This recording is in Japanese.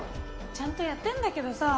ちゃんとやってんだけどさ